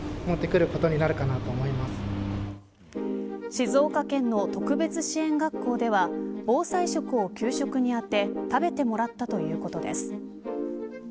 静岡県の特別支援学校では防災食を給食に当て食べてもらったということです。